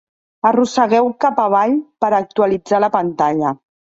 Arrossegueu cap avall per actualitzar la pantalla.